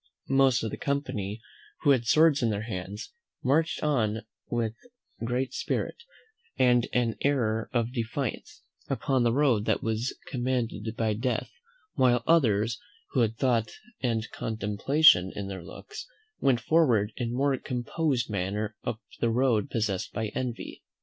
Most of the company, who had swords in their hands, marched on with great spirit, and an air of defiance, up the road that was commanded by Death; while others, who had thought and contemplation in their looks, went forward in a more composed manner up the road possessed by Envy.